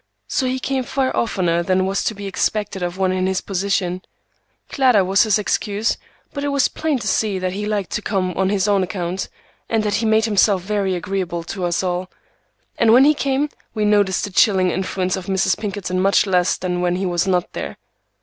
So he came far oftener than was to be expected of one in his position. Clara was his excuse, but it was plain to see that he liked to come on his own account, and he made himself very agreeable to us all; and when he came, we noticed the chilling influence of Mrs. Pinkerton much less than when he was not there.